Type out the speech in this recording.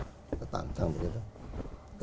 saya tantang begitu